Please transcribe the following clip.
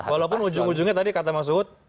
walaupun ujung ujungnya tadi kata mas ud